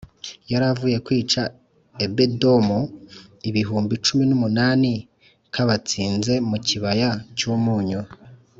Yari avuye kwica abedomu ibihumbi cumi n umunani k abatsinze mu kibaya cy umunyu